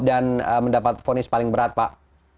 dan mendapat ponis paling berat pak